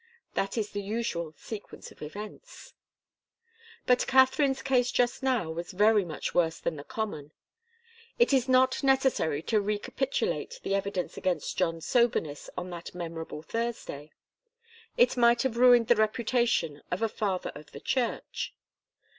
That is the usual sequence of events. But Katharine's case just now was very much worse than the common. It is not necessary to recapitulate the evidence against John's soberness on that memorable Thursday. It might have ruined the reputation of a Father of the Church.